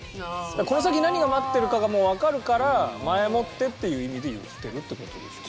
この先何が待ってるかがもう分かるから前もってっていう意味で言ってるってことでしょうね。